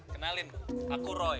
kenalin aku roy